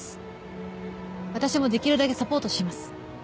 私もできるだけサポートします。